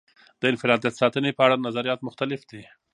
د انفرادیت ساتنې په اړه نظریات مختلف دي.